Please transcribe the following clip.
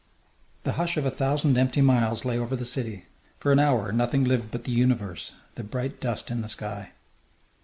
The hush of a thousand empty miles lay over the city. For an hour nothing lived but the universe, the bright dust in the sky....